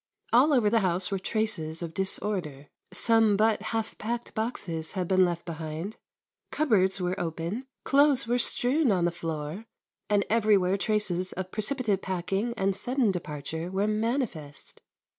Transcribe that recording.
All over the house were traces of disorder. Some but half packed boxes had been left behind; cupboards were open, clothes were strewn on the floor, and everywhere traces of precipitate packing and sudden departure were manifest.